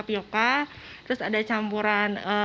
yukka terus ada campuran